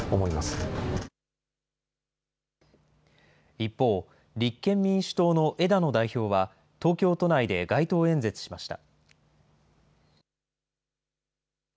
一方、立憲民主党の枝野代表は、東京都内で街頭演説しました。